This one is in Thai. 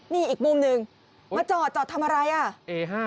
นี่อีกมุมหนึ่งมาจอดจอดทำอะไรอ่ะ